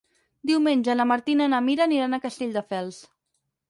Diumenge na Martina i na Mira aniran a Castelldefels.